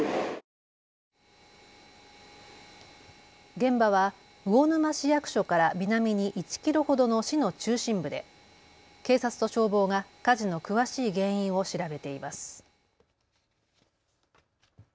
現場は魚沼市役所から南に１キロほどの市の中心部で警察と消防が火事の詳しい原因を調べています。